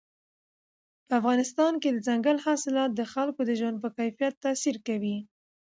په افغانستان کې دځنګل حاصلات د خلکو د ژوند په کیفیت تاثیر کوي.